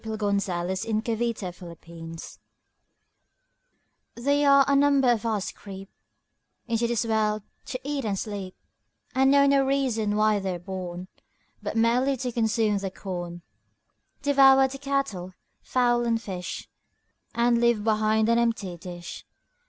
Isaac Watts Horace Paraphrased THERE are a number of us creep Into this world to eat and sleep, And know no reason why they're born But merely to consume the corn, Devour the cattle, fowl and fish, And leave behind an empty dish.